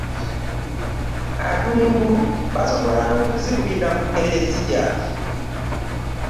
Addungu basobola nokuzikubira mu kelezia.